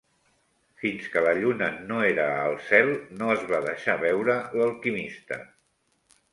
Fins que la lluna no era al cel no es va deixar veure l'alquimista.